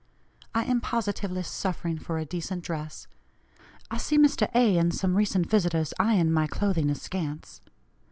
I am positively suffering for a decent dress. I see Mr. A. and some recent visitors eyeing my clothing askance.